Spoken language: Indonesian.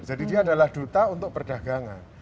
jadi dia adalah duta untuk perdagangan